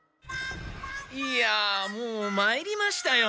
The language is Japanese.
いやもうまいりましたよ。